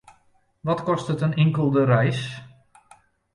Wat kostet in inkelde reis?